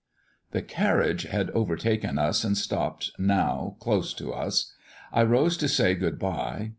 '" The carriage had overtaken us and stopped now close to us. I rose to say good bye.